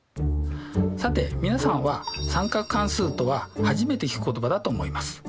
さて皆さんは三角関数とは初めて聞く言葉だと思います。